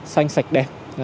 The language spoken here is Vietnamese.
xanh sạch đẹp